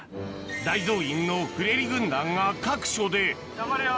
大増員のフレリ軍団が各所で頑張れよ！